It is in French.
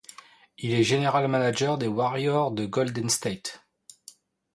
Il est general manager des Warriors de Golden State.